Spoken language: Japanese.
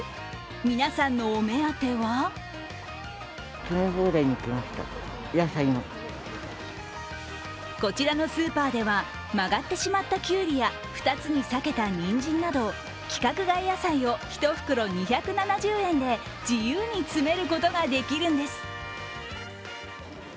皆さんのお目当てはこちらのスーパーでは曲がってしまったきゅうりや２つに裂けたにんじんなど規格外野菜を１袋２７０円で自由に詰めることができるんです。